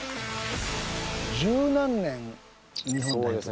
十何年日本代表？